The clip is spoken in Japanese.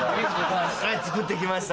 作ってきました